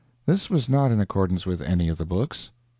This was not in accordance with any of the books.